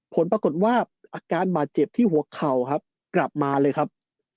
ผลปรากฏว่าอาการบาดเจ็บที่หัวเข่าครับกลับมาเลยครับ